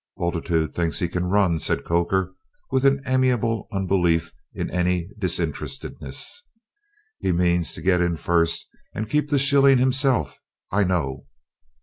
"Bultitude thinks he can run," said Coker, with an amiable unbelief in any disinterestedness. "He means to get in first and keep the shilling himself, I know."